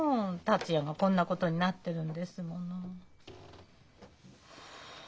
達也がこんなことになってるんですもの。